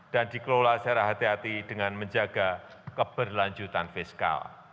dikelola secara hati hati dengan menjaga keberlanjutan fiskal